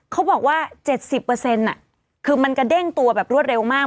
เขาบอกว่า๗๐คือมันกระเด้งตัวแบบรวดเร็วมาก